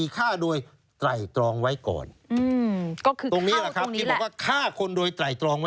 ๔ฆ่าโดยไตรองไว้ก่อน